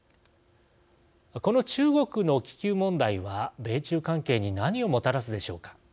この中国の気球問題は米中関係に何をもたらすでしょうか。